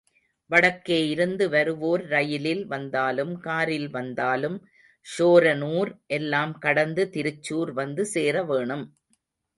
வடக்கே இருந்து வருவோர் ரயிலில் வந்தாலும் காரில் வந்தாலும் ஷோரனூர் எல்லாம் கடந்து திருச்சூர் வந்து சேர வேணும்.